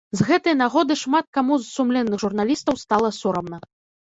З гэтай нагоды шмат каму з сумленных журналістаў стала сорамна.